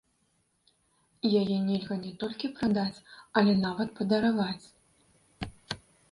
Яе нельга не толькі прадаць, але нават падараваць.